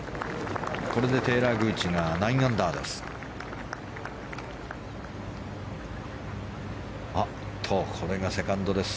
これでテイラー・グーチ９アンダーです。